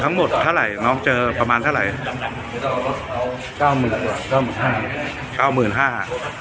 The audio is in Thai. ทั้งหมดเท่าไหร่น้องเจอประมาณเท่าไหร่เก้าหมื่นห้า